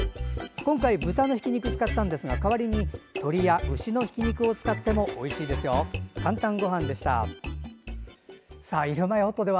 今回、豚のひき肉を使ったんですが代わりに鶏や牛のひき肉を使っても、おいしいですよ。